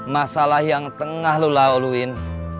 masalah yang tengah lo laluluin